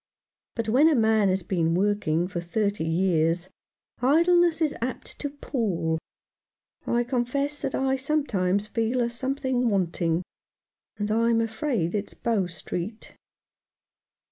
"But when a man has been working for thirty years, idleness is apt to pall. I confess that I sometimes feel a something wanting ; and I'm afraid it's Bow Street."